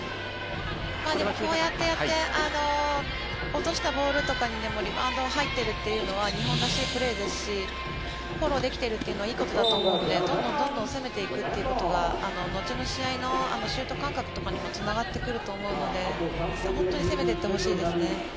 こうやってやって落としたボールとかでもリバウンドが入っているっていうのは日本らしいプレーですしフォローできているのはいいことなのでどんどん攻めていくということが後の試合のシュート感覚とかにもつながってくると思うので本当に攻めていってほしいですね。